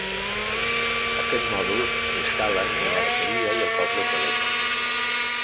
Aquest mòdul s'instal·la entre la bateria i el cos del telèfon.